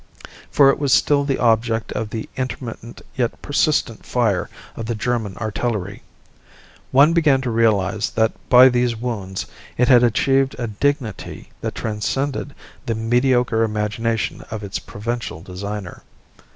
For it was still the object of the intermittent yet persistent fire of the German artillery. One began to realize that by these wounds it had achieved a dignity that transcended the mediocre imagination of its provincial designer.